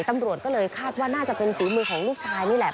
ตำรวจก็เลยคาดว่าน่าจะเป็นฝีมือของลูกชายนี่แหละ